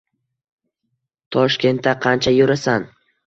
Toshkentda qancha yurasan